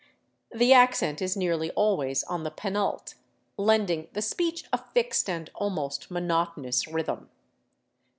The accent is nearly always on the penult, lending the speech a fixed and almost monotonous rhythm.